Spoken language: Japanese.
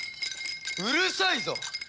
うるさいぞ！